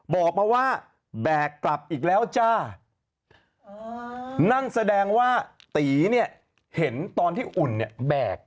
บอกมาว่าแบกกลับอีกแล้วจ้านั่นแสดงว่าตีเนี่ยเห็นตอนที่อุ่นเนี่ยแบก